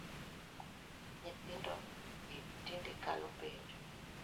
Nyithindo gi tinde kalo penj